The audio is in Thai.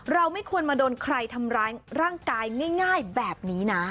ไม่ควรมาโดนใครทำร้ายร่างกายง่ายแบบนี้นะ